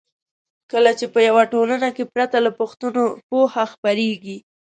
کله چې په یوه ټولنه کې پرته له پوښتنو پوهه خپریږي.